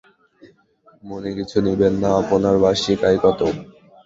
মনে কিছু নিবেন না, আপনার বার্ষিক আয় কতো?